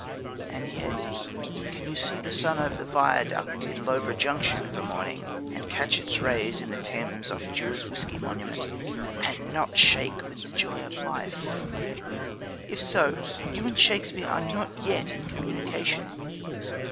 And yet, can you see the sun over the viaduct at Loughborough Junction of a morning, and catch its rays in the Thames off Dewar's whisky monument, and not shake with the joy of life? If so, you and Shakespeare are not yet in communication.